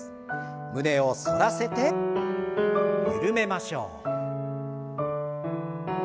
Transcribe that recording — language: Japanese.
胸を反らせて緩めましょう。